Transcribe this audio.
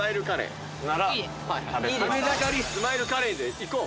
食べ盛りスマイルカレーでいこう！